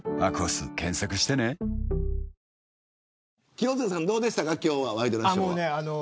清塚さん、どうでしたか今日のワイドナショー。